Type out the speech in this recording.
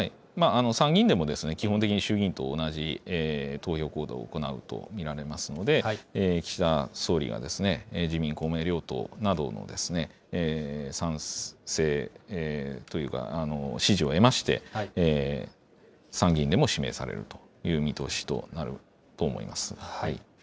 参議院でも基本的に衆議院と同じ投票行動を行うと見られますので、岸田総理が自民、公明両党などの賛成というか、支持を得まして、参議院でも指名されるという見通しとなると思います。